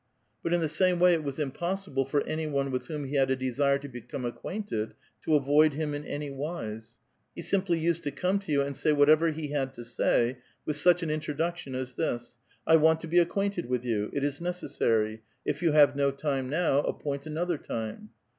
But in the same way it was impossible for any one with whom he had a desire to become acquainted to avoid him in anywise. He simply used to <x>nie to you and say whatever he had to say, with such an introduction as this :*' I want to be acquainted with you ; it is necessary. If you have no time now, appoint another "time."